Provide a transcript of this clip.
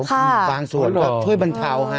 ค่ะบางส่วนช่วยบรรเทาฮะ